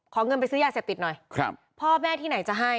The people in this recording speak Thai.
เงินไปซื้อยาเสพติดหน่อยครับพ่อแม่ที่ไหนจะให้